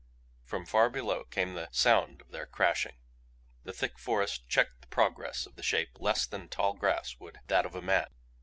From far below came the sound of their crashing. The thick forest checked the progress of the Shape less than tall grass would that of a man.